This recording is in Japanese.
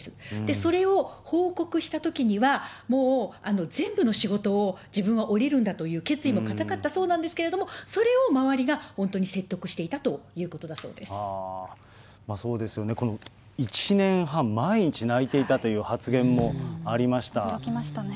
それを報告したときには、もう全部の仕事を自分は降りるんだという決意も固かったそうなんですけれども、それを周りが、本当に説得していたということだそそうですよね、この１年半、毎日泣いていたという発言もありました。